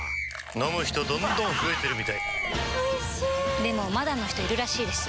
飲む人どんどん増えてるみたいおいしでもまだの人いるらしいですよ